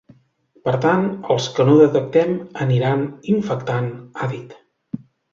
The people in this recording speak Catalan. Per tant, els que no detectem aniran infectant, ha dit.